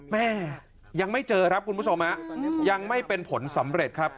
แม่ยังไม่เจอครับคุณผู้ชมฮะยังไม่เป็นผลสำเร็จครับ